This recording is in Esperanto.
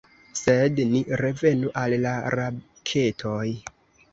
Sed ni revenu al la raketoj.